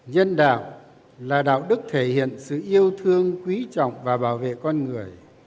nhân đạo là đạo đức thể hiện sự yêu thương quý trọng và bảo vệ con người